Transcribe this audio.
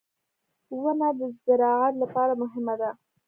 • ونه د زراعت لپاره مهمه ده.